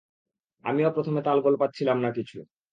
আমিও প্রথমে তালগোল পাচ্ছিলাম না কিছু।